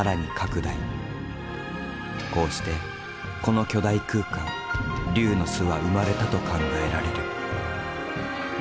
こうしてこの巨大空間龍の巣は生まれたと考えられる。